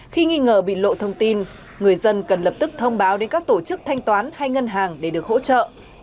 khi nghi ngờ bị lộ thông tin người dân cần lập tức thông báo đến các tổ chức thanh toán hay ngân hàng để được hỗ trợ